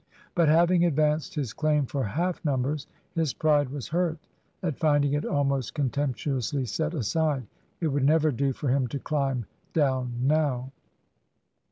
But, having advanced his claim for half numbers, his pride was hurt at finding it almost contemptuously set aside. It would never do for him to climb down now.